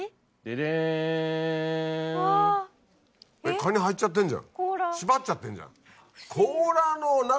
カニ入っちゃってんじゃん縛っちゃってんじゃん。